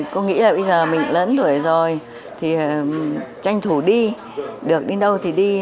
cô nghĩ là bây giờ mình lẫn tuổi rồi thì tranh thủ đi được đi đâu thì đi